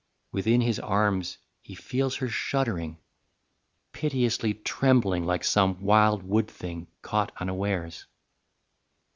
Within his arms he feels her shuddering, Piteously trembling like some wild wood thing Caught unawares.